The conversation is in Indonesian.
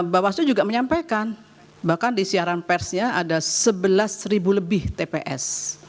bawaslu juga menyampaikan bahkan di siaran persnya ada sebelas lebih tps